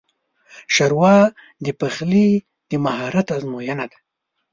ښوروا د پخلي د مهارت ازموینه ده.